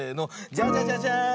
ジャジャジャジャーン！